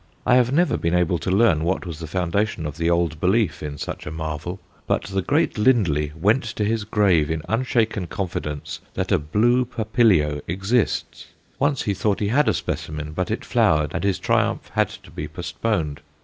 I have never been able to learn what was the foundation of the old belief in such a marvel. But the great Lindley went to his grave in unshaken confidence that a blue papilio exists. Once he thought he had a specimen; but it flowered, and his triumph had to be postponed.